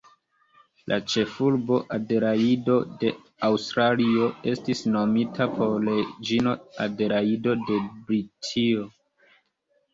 La ĉefurbo Adelajdo de Aŭstralio estis nomita por la reĝino Adelajdo de Britio.